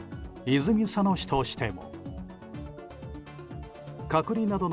泉佐野市としても。